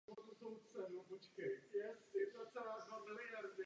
Většinou figuruje jako jejich vydavatel a v případě úspěchu často vývojáře hry koupí.